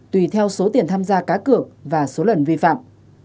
tùy theo số tiền tham gia cá cược và số lần vi phạm